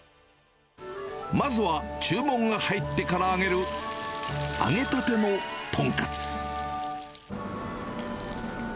まずは注文が入ってから揚げる、揚げたてのトンカツ。